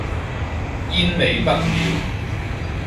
煙味不了